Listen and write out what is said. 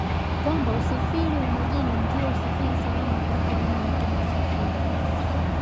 kwamba Usafiri wa Majini ndio usafiri salama kuliko aina nyingine ya usafiri